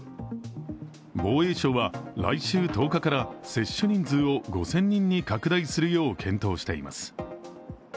防衛省は来週１０日から接種人数を５０００人に拡大するよう検討しています。